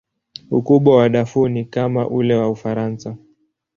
Ukubwa wa Darfur ni kama ule wa Ufaransa.